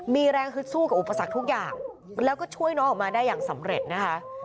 มีแรงฮึดสู้กับอุปสรรคทุกอย่างแล้วก็ช่วยน้องออกมาได้อย่างสำเร็จนะคะ